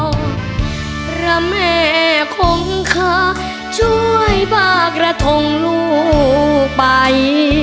พระแม่ของข้าช่วยป่ากระทงลูกไป